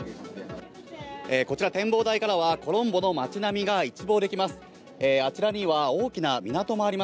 こちら、展望台からは、コロンボの町並みが一望できます。